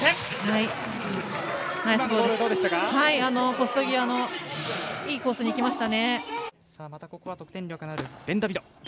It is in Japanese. ポスト際のいいコースにいきました。